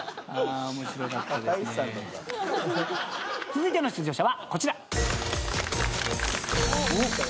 続いての出場者はこちら。